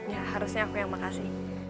ya harusnya aku yang makasih